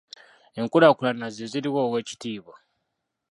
Enkulaakulana ze ziruwa Oweekitiibwa?